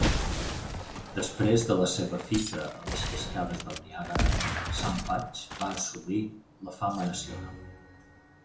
Després de la seva fita a les cascades del Niàgara, Sam Patch va assolir la fama nacional.